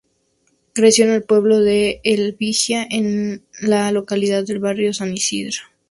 Creció en el pueblo de El Vigía, en la localidad del Barrio San Isidro.